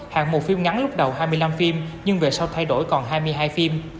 hạng một phim ngắn lúc đầu hai mươi năm phim nhưng về sau thay đổi còn hai mươi hai phim